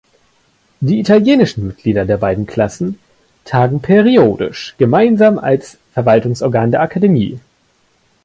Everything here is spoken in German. Die italienischen Mitglieder der beiden Klassen tagen periodisch gemeinsam als Verwaltungsorgan der Akademie.